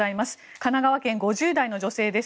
神奈川県、５０代の女性です。